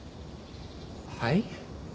はい？